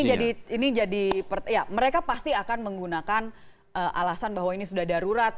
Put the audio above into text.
ini jadi mereka pasti akan menggunakan alasan bahwa ini sudah darurat